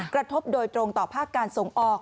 กระทบโดยตรงต่อภาคการส่งออก